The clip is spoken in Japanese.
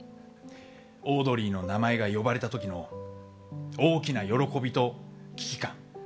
オードリーの名前が呼ばれた時の大きな喜びと危機感。